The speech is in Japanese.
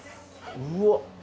うわっ！